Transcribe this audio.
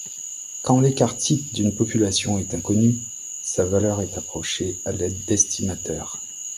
Quand l'écart type d'une population est inconnu, sa valeur est approchée à l'aide d'estimateurs.